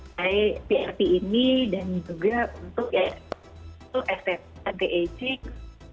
seperti prp ini dan juga untuk stf anti aging